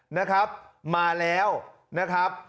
นะครับมาแล้วนะครับ